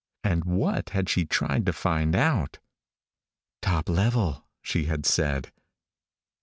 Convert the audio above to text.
And what had she tried to find out? "Top level," she had said.